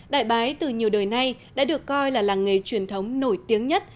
đại bái từ nhiều đời nay đã được coi là làng nghề truyền thống nổi tiếng nhất